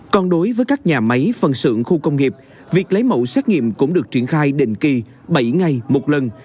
còn đối với các nhà máy phân xưởng khu công nghiệp việc lấy mẫu xét nghiệm cũng được triển khai định kỳ bảy ngày một lần